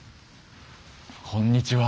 こんにちは。